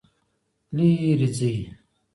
لیرې ځئ